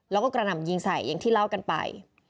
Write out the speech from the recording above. แล้วก็กระหน่ำยิงใส่อย่างที่เล่ากันไป